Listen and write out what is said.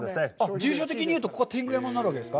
住所的に言うと、ここは天狗山になるわけですか。